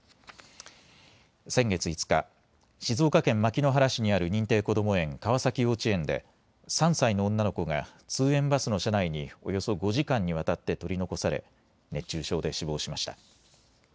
先月５日、静岡県牧之原市にある認定こども園川崎幼稚園で３歳の女の子が通園バスの車内におよそ５時間にわたって取り残され熱中症で死亡しました。